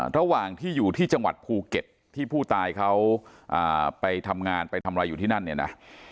ระหว่างที่อยู่ที่จังหวัดภูเก็ตที่ผู้ตายเขาไปทำงานไปทำอะไรอยู่ที่นั่นเนี่ยนะ